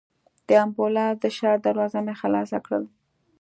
د امبولانس د شا دروازه مې خلاصه کړل.